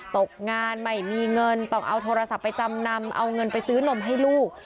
ตกงานไม่มีเงินต้องเอาโทรศัพท์ไปจำนำเอาเงินไปซื้อนมให้ลูก